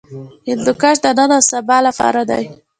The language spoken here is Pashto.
هندوکش د نن او سبا لپاره دی.